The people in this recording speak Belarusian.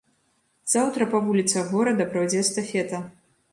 Заўтра па вуліцах горада пройдзе эстафета.